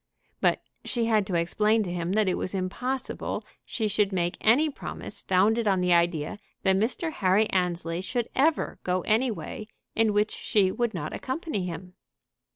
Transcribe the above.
But she had to explain to him that it was impossible she should make any promise founded on the idea that Mr. Henry Annesley should ever go any way in which she would not accompany him.